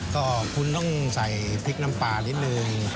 ก็คุณต้องใส่พริกน้ำปลานิดนึง